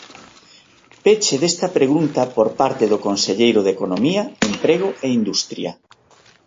Peche desta pregunta por parte do conselleiro de Economía, Emprego e Industria.